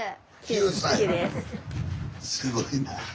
すごいな。